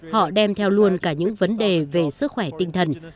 họ đem theo luôn cả những vấn đề về sức khỏe tinh thần